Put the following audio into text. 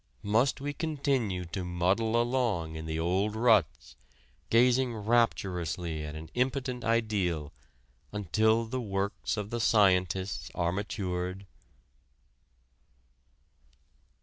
Must we continue to muddle along in the old ruts, gazing rapturously at an impotent ideal, until the works of the scientists are matured?